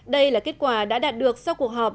đây là kết quả đã đạt được sau cuộc họp